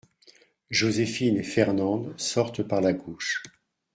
Joséphine et Fernande sortent par la gauche.